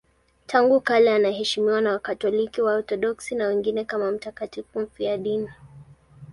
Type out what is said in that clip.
Tangu kale anaheshimiwa na Wakatoliki, Waorthodoksi na wengineo kama mtakatifu mfiadini.